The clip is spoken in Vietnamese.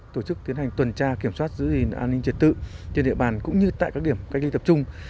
tổ chức tiến hành tuần tra kiểm soát giữ gìn an ninh trật tự trên địa bàn cũng như tại các điểm cách ly tập trung